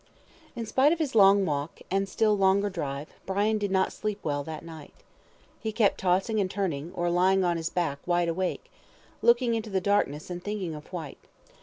In spite of his long walk, and still longer drive, Brian did not sleep well that night. He kept tossing and turning, or lying on his back, wide awake, looking into the darkness and thinking of Whyte.